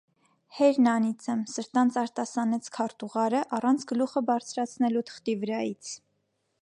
- Հե՛րն անիծեմ,- սրտանց արտասանեց քարտուղարը, առանց գլուխը բարձրացնելու թղթի վրայից: